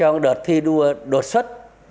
trong đợt thi đua đột xuất